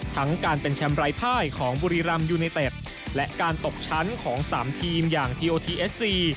ทั้งการเป็นแชมป์รายภายของบุรีรำยูไนเต็ดและการตกชั้นของสามทีมอย่างทีโอทีเอสซี